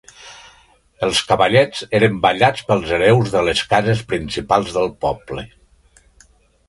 Els cavallets eren ballats pels hereus de les cases principals del poble.